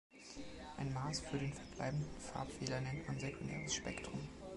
Ein Maß für den verbleibenden Farbfehler nennt man sekundäres Spektrum.